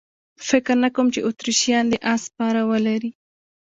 فکر نه کوم چې اتریشیان دې اس سپاره ولري.